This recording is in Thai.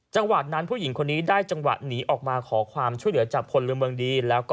จังหวะนั้นผู้หญิงใช่คนนี้ได้จังหวะหนีออกมาขอความช่วยเหลือจับคนละเบิงดี